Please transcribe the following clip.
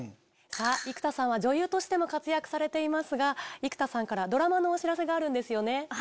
生田さんは女優としても活躍されていますが生田さんからドラマのお知らせがあるんですよね。